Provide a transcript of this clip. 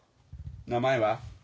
名前は？